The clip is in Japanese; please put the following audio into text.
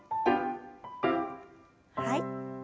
はい。